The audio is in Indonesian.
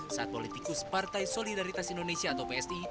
saat politikus partai solidaritas indonesia atau psi